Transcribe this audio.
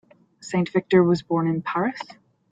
Saint-Victor was born in Paris.